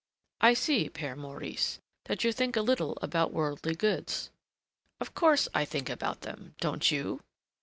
"I see, Père Maurice, that you think a little about worldly goods." "Of course I think about them. Don't you?"